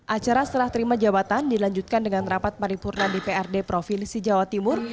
acara serah terima jabatan dilanjutkan dengan rapat paripurna dprd provinsi jawa timur